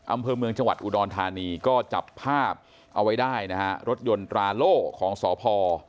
อำเภอเมืองจังหวัดอุดรธานีก็จับภาพเอาไว้ได้นะฮะรถยนต์ตราโล่ของสพ